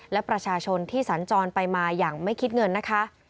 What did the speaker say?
และประชาชนที่สัญจรไปมาอย่างไม่คิดเงินนะคะ